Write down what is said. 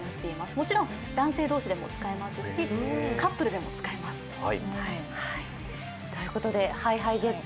もちろん男性同士でも使えますしカップルでも使えます。ＨｉＨｉＪｅｔｓ